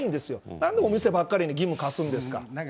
なんでお店ばっかりに義務を課すんですか。